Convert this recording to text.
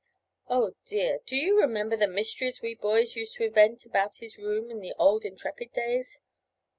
Oh, dear! do you remember the mysteries we boys used to invent about his room in the old Intrepid days?